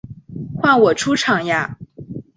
换我出场呀！